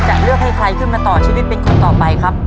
จะเลือกให้ใครขึ้นมาต่อชีวิตเป็นคนต่อไปครับ